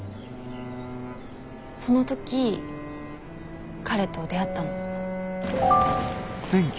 その時彼と出会ったの。